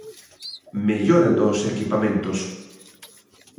Mellora dos equipamentos.